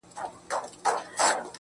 • زما تصـور كي دي تصـوير ويده دی.